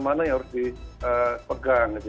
masyarakat mana yang harus di